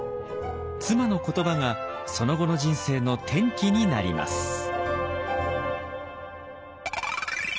妻の言葉がその後の人生の転機になります。